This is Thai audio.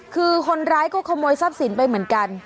คือคนร้ายก็ขโมยทรัพย์สินไปเหมือนกัน